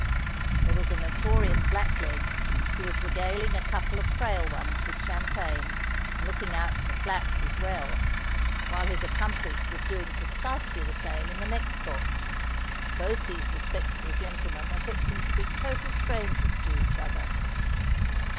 There was a notorious black leg, who was regaling a couple of frail ones with champagne and looking out for flats as well; while his accomplice was doing precisely the same in the next box,—both these respectable gentlemen affecting to be total strangers to each other.